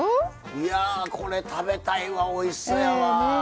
いやこれ食べたいわおいしそうやわ！